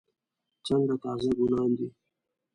څنګه تازه ګلان دي.